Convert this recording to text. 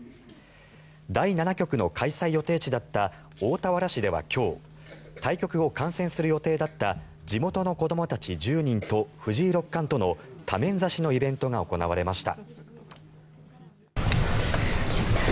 第７局の開催予定地だった大田原市では今日対局を観戦する予定だった地元の子どもたち１０人と藤井六冠との多面指しのイベントが行われました。